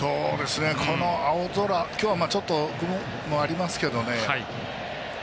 この青空今日はちょっと雲もありますけど。